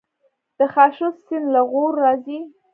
د خاشرود سیند له غور راځي